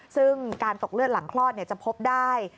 ซึ่งการตกเลือดหลังคลอดจะพบได้